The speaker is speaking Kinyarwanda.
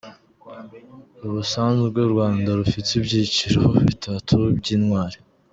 Ubusanzwe u Rwanda rufite ibyiciro bitatu by’intwari.